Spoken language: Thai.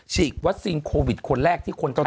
ฉีดวัคซีนโควิดคนแรกที่คนต้อง